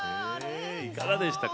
いかがでしたか？